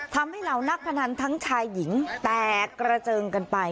เหล่านักพนันทั้งชายหญิงแตกกระเจิงกันไป